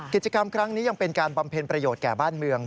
กิจกรรมครั้งนี้ยังเป็นการบำเพ็ญประโยชน์แก่บ้านเมือง